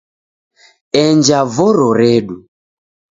Enja voro redu